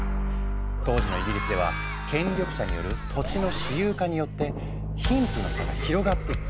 当時のイギリスでは権力者による土地の私有化によって貧富の差が広がっていった。